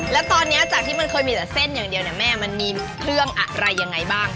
แล้วตอนนี้จากที่มันเคยมีแต่เส้นอย่างเดียวเนี่ยแม่มันมีเครื่องอะไรยังไงบ้าง